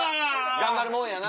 頑張るもんやな。